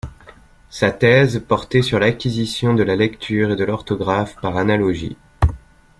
Sa thèse portait sur l'acquisition de la lecture et de l'orthographe par analogie.